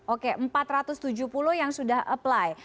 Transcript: oke empat ratus tujuh puluh yang sudah apply